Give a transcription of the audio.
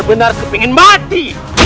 terbenar kepingin mati